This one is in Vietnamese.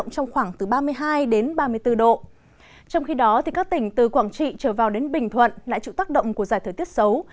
các tỉnh từ quảng trị trở vào đến bình thuận lại chịu tác động của giải thời tiết xấu